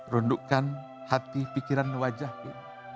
rundukan hati pikiran wajah kita